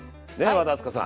和田明日香さん。